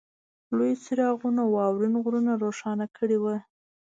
لویو څراغونو واورین غرونه روښانه کړي وو